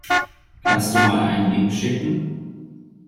Kannst du mal einen Link schicken?